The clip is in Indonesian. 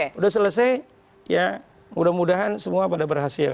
sudah selesai ya mudah mudahan semua pada berhasil